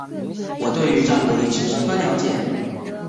我对于战国历史十分了解